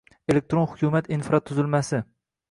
Elektron hukumat infratuzilmasi: